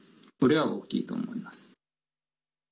これは、大きいと思います。